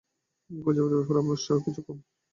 গুজবের ব্যাপারে আমার উৎসাহ কিছু কম।